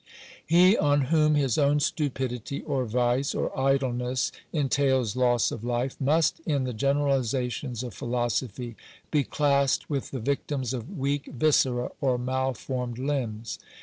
He on whom his own stupidity, or vice, or idleness, entails loss of life, must, in the generalizations of philosophy, be classed with the victims of weak viscera or malformed limbs.